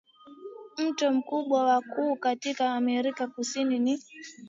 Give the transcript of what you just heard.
mto mkubwa na kuu katika Amerika Kusini ni